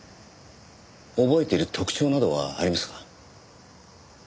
覚えている特徴などはありますか？